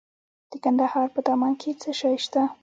د کندهار په دامان کې څه شی شته؟